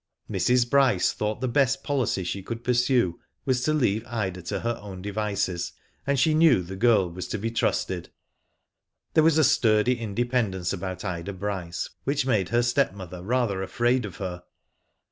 Mrs. Bryce thought the best policy she could pursue was to leave Ida to her own devices, and she knew the girl was to be trusted. There was a sturdy independence about Ida Bryce which made her stepmother rather afraid of her.